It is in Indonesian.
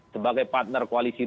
sebagai partner koalisi lain